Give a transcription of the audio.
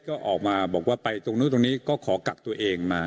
ก็ออกมาบอกว่าไปตรงนู้นตรงนี้ก็ขอกักตัวเองมา